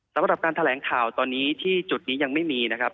สำหรับการแถลงข่าวตอนนี้ที่จุดนี้ยังไม่มีนะครับ